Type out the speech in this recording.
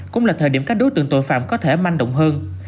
cũng là thời điểm các đối tượng tội phạm có thể manh động hơn